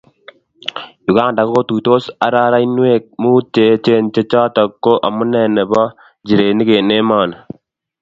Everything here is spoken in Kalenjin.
Uganda kotuitos araraiyweek muut cheechen che chotok ko amunee neo nebo injireniik eng emoni